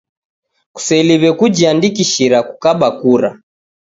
Kuseliw'e kujiandikishira kukaba kura